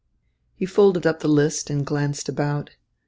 IV He folded up the list and glanced about.